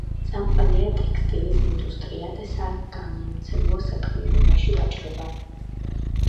წამყვანია ტექსტილის ინდუსტრია და საგამომცემლო საქმიანობაში ვაჭრობა.